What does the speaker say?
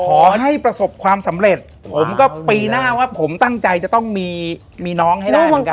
ขอให้ประสบความสำเร็จผมก็ปีหน้าว่าผมตั้งใจจะต้องมีน้องให้ได้เหมือนกัน